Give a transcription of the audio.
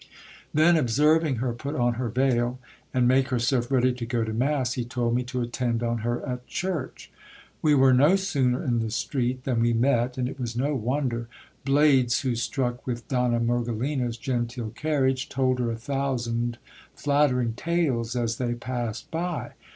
Then, observing her put on her veil, and make herself ready to go to mass, he told me to attend on her at church. We were no sooner in the street than we met, and it was no wonder, blades who, struck with Donna Mergelina's genteel carriage, told her a thousand flattering tales as they passed by.